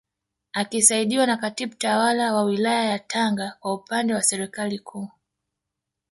Akisaidiwa na Katibu Tawala wa Wilaya ya Tanga kwa upande wa Serikali Kuu